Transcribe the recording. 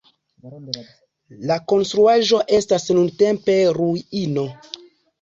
La konstruaĵo estas nuntempe ruino.